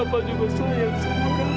bapak juga sayang sama aida